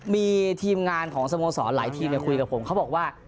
มีทีมงานของสโมสรหลายทีมคุยกับผมเขาบอกว่า